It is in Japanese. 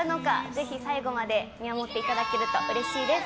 ぜひ最後まで見守っていただけると嬉しいです。